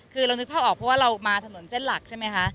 คือเรานึกภาพออกเพราะว่าเรามาถนนเส้นหลักใช่ไหมคะ